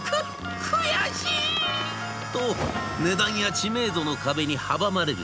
く悔しい」と値段や知名度の壁に阻まれる始末。